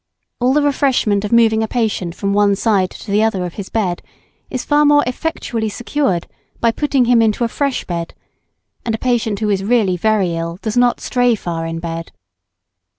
All the refreshment of moving a patient from one side to the other of his bed is far more effectually secured by putting him into a fresh bed; and a patient who is really very ill does not stray far in bed.